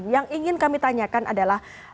yang ingin kami tanyakan adalah